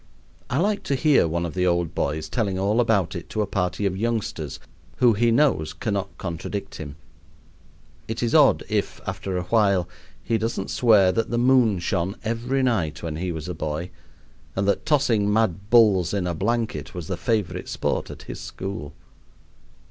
I like to hear one of the old boys telling all about it to a party of youngsters who he knows cannot contradict him. It is odd if, after awhile, he doesn't swear that the moon shone every night when he was a boy, and that tossing mad bulls in a blanket was the favorite sport at his school.